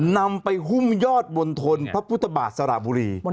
นำไปหุ้มยอดบนทนพระพุทธบาทสระบุรี